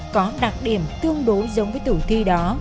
có đặc điểm tương đối giống với tử thi đó